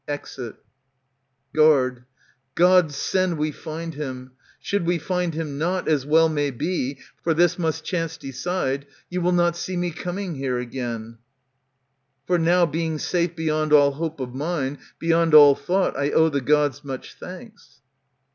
[Exit, Guard, God send we find him ! Should we find him not, As well may be, (for this must chance decide,) You will not see me coming here again ; For now, being safe beyond all hope of mine, "^ Beyond all thought, I owe the Gods much thanks.